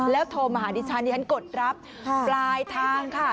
โทรมาหาดิฉันดิฉันกดรับปลายทางค่ะ